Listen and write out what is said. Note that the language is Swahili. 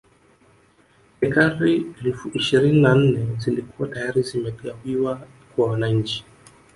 Ekari elfu ishirini na nne zilikuwa tayari zimegawiwa kwa wananchi